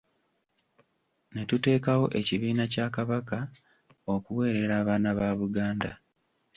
Ne tuteekawo ekibiina kya Kabaka, okuweerera abaana ba Buganda.